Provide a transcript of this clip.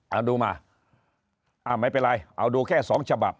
เอาดูมาไม่เป็นไรเอาดูแค่๒ฉบับ